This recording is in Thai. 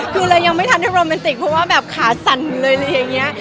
คือเลยยังไม่ทันได้โรแมนติกเพราะว่าแบบขาสั่นเลยอะไรอย่างนี้